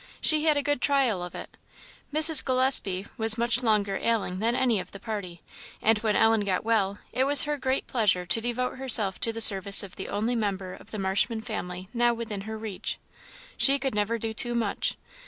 She had good trial of it; Mrs. Gillespie was much longer ailing than any of the party; and when Ellen got well, it was her great pleasure to devote herself to the service of the only member of the Marshman family now within her reach. She could never do too much.